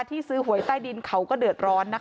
ความปลอดภัยของนายอภิรักษ์และครอบครัวด้วยซ้ำ